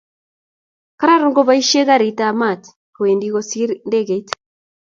Kararan koboishe karit ab mat kowendi kosir ndekeit